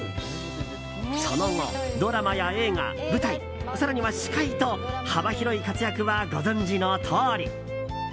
その後、ドラマや映画、舞台更には司会と幅広い活躍はご存じのとおり！